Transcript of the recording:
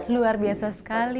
luar biasa sekali